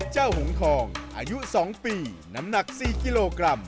หงทองอายุ๒ปีน้ำหนัก๔กิโลกรัม